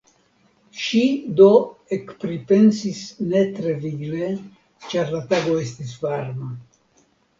Ŝi do ekpripensis ne tre vigle ĉar la tago estis varma.